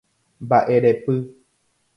Mba'erepy.